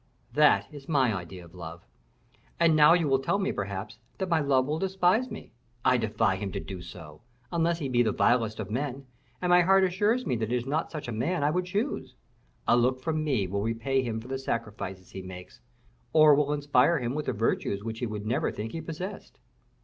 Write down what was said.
That is my idea of love. And now you will tell me, perhaps, that my love will despise me; I defy him to do so, unless he be the vilest of men, and my heart assures me that it is not such a man I would choose. A look from me will repay him for the sacrifices he makes, or will inspire him with the virtues which he would never think he possessed."